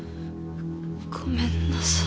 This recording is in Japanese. ごめんなさい。